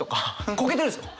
こけてるんですよ！